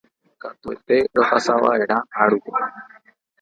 katuete rohasava'erã árupi